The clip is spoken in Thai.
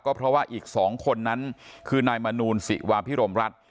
เพราะว่าอีก๒คนนั้นคือนายมนูลศิวาพิรมรัฐ